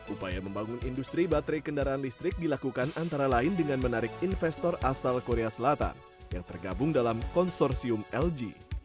upaya membangun industri baterai kendaraan listrik dilakukan antara lain dengan menarik investor asal korea selatan yang tergabung dalam konsorsium lg